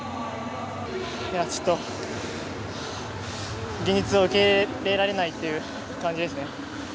ちょっと、現実を受け入れられないという感じですね。